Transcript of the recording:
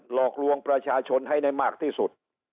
หลอกลวงประชาชนให้ได้มากที่สุด